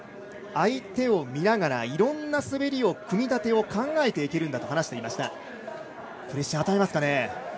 相手を見ながらいろんな滑りを組み立てを考えていけるんだと話していました。